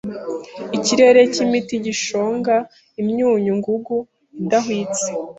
Ikirere cyimiti gishonga imyunyu ngugu idahwitse